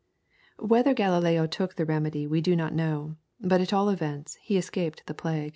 Whether Galileo took the remedy we do not know, but at all events he escaped the plague.